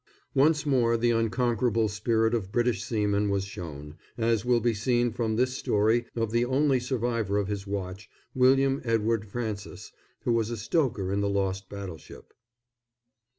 Once more the unconquerable spirit of British seamen was shown, as will be seen from this story of the only survivor of his watch William Edward Francis, who was a stoker in the lost battleship.